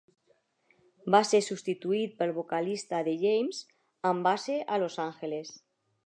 Va ser substituït pel vocalista de James, amb base a Los Angeles.